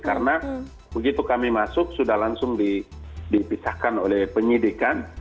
karena begitu kami masuk sudah langsung dipisahkan oleh penyidikan